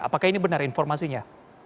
apakah ini benar informasinya